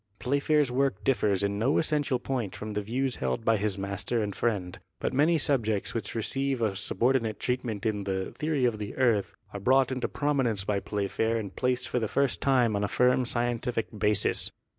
Playfair's work differs in no essential point from the views held by his master and friend, but many subjects which receive a subordinate treatment in the "Theory of the Earth" are brought into prominence by Playfair and placed for the first time on a firm scientific basis.